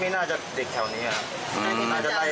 น่าจะเด็กแถวนี้ครับ